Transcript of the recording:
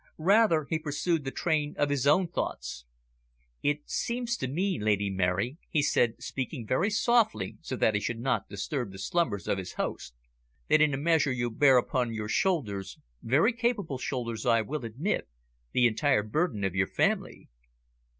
Rather, he pursued the train of his own thoughts. "It seems to me. Lady Mary," he said, speaking very softly, so that he should not disturb the slumbers of his host, "that in a measure you bear upon your shoulders very capable shoulders, I will admit the entire burden of your family."